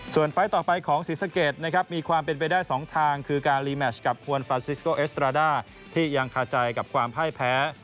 ส่วนไฟล์ต่อไปของศรีสะเกดนะครับมีความเป็นไปได้๒ทางคือการรีแมชกับฮวนฟาซิสโกเอสตราด้าที่ยังคาใจกับความพ่ายแพ้